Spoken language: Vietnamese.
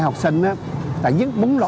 học sinh là dứt múng